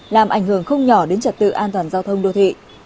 làm ảnh hưởng không nhỏ đến trật tự an toàn giao thông đô thị